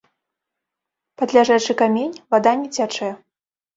Пад ляжачы камень вада не цячэ.